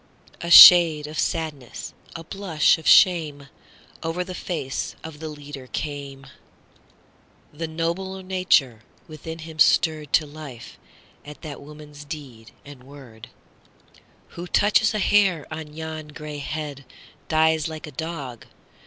A shade of sadness, a blush of shame, Over the face of the leader came; The nobler nature within him stirredTo life at that woman's deed and word:"Who touches a hair of yon gray headDies like a dog!